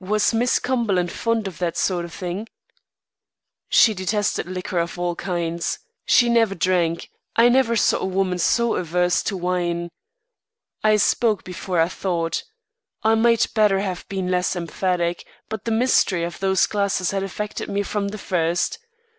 "Was Miss Cumberland fond of that sort of thing?" "She detested liquor of all kinds. She never drank I never saw a woman so averse to wine." I spoke before I thought. I might better have been less emphatic, but the mystery of those glasses had affected me from the first.